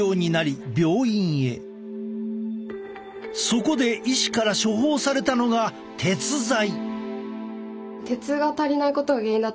そこで医師から処方されたのが鉄剤。